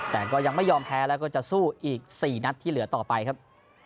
แต่ก็ยังไม่ยอมแพ้แล้วก็จะสู้อีก๔นัดที่เหลือต่อไปครับ